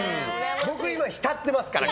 僕今浸ってますから。